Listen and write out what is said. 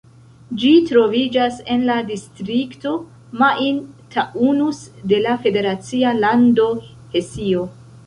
Ĝi troviĝas en la distrikto Main-Taunus de la federacia lando Hesio.